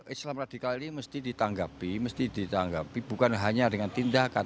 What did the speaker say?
islam radikal ini mesti ditanggapi bukan hanya dengan tindakan